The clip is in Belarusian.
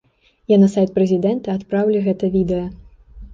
Я на сайт прэзідэнта адпраўлю гэта відэа.